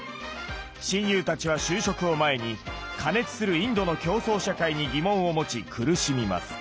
親友たちは就職を前に過熱するインドの競争社会に疑問を持ち苦しみます。